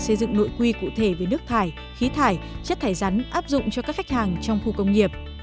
xây dựng nội quy cụ thể về nước thải khí thải chất thải rắn áp dụng cho các khách hàng trong khu công nghiệp